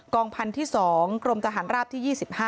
พันธุ์ที่๒กรมทหารราบที่๒๕